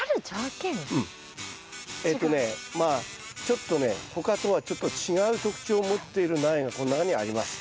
えっとねまあちょっとね他とはちょっと違う特徴を持っている苗がこの中にあります。